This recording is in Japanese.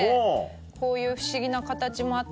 こういう不思議な形もあったり